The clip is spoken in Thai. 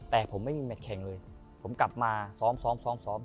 แต่ผมไม่มีแมทแข่งเลยผมกลับมาซ้อมซ้อม